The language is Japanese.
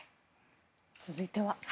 続いては。